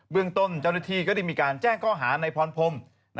เรื่องต้นเจ้าหน้าที่ก็ได้มีการแจ้งข้อหาในพรพรม